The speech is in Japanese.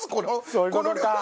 そういうことか。